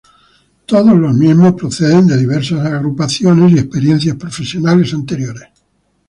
Todos los miembros proceden de diversas agrupaciones y experiencias profesionales anteriores.